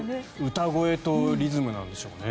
歌声とリズムなんでしょうね。